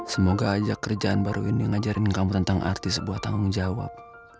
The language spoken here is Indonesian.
semoga aja kerjaan baru ini ngajarin kamu tentang arti sebuah tanggung jawab